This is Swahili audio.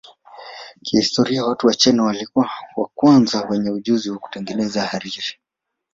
Kihistoria watu wa China walikuwa wa kwanza wenye ujuzi wa kutengeneza hariri.